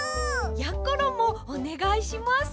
やころもおねがいします。